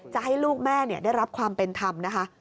จะให้ลูกแม่ได้รับความเป็นธรรมนะคะ